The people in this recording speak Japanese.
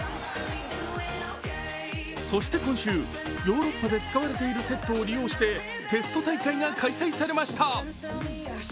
そして、今週、ヨーロッパで使われているセットを利用してテスト大会が開催されました。